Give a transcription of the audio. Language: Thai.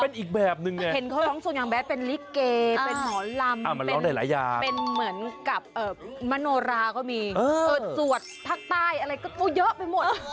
เป็นลิเกย์เป็นหนอลำเอ้ยเหมือนมโนลาก็มีเสวดภาคตายอะไรก็เยอะไปหมด